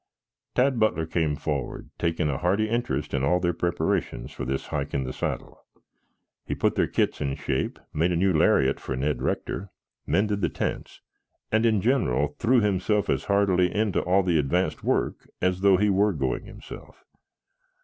Tad Butler came forward, taking a hearty interest in all their preparations for this hike in the saddle. He put their kits in shape, made a new lariat for Ned Rector, mended the tents, and in general threw himself as heartily into all the advanced work as though he were going himself.